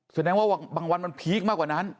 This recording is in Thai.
แสดงว่าบางวันมันพีคมากกว่านั้น